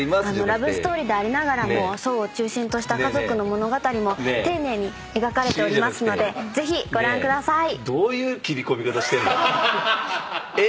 ラブストーリーでありながらも想を中心とした家族の物語も丁寧に描かれておりますのでぜひご覧ください。